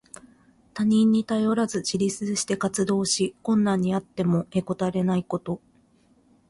他人に頼らず自立して活動し、困難にあってもへこたれないこと。